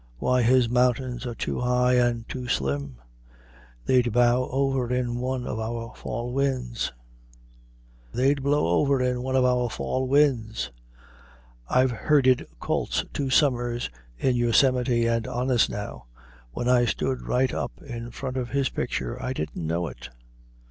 Why, his mountains are too high and too slim; they'd blow over in one of our fall winds. "I've herded colts two summers in Yosemite, and honest now, when I stood right up in front of his picture, I didn't know it.